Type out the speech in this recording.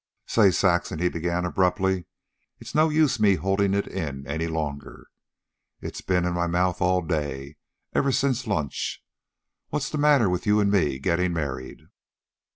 "Say, Saxon," he began abruptly. "It's no use my holdin' it in any longer. It's ben in my mouth all day, ever since lunch. What's the matter with you an' me gettin' married?"